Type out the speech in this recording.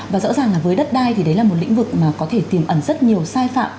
và rõ ràng là với đất đai thì đấy là một lĩnh vực mà có thể tiềm ẩn rất nhiều sai phạm